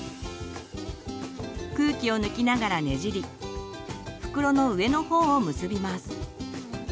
空気を抜きながらねじり袋の上のほうを結びます。